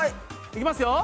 いきますよ！